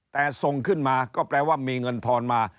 แต่ส่งขึ้นมาก็แปลว่ามีเงินทอนมา